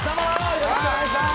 よろしくお願いします！